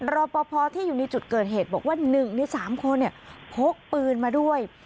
รอปภที่อยู่ในจุดเกิดเหตุบอกว่า๑ใน๓คนพกปืนมาด้วย